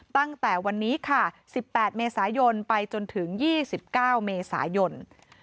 ตั้งแต่วันนี้ค่ะ๑๘เมษายนไปจนถึง๒๙เมษายน